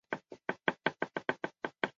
裂隐蟹为玉蟹科裂隐蟹属的动物。